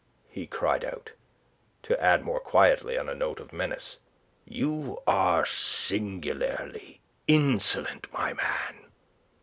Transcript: he cried out, to add more quietly, on a note of menace, "You are singularly insolent, my man."